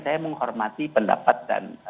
saya menghormati pendapat dan